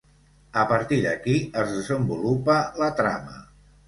A partir d'aquí es desenvolupa la trama.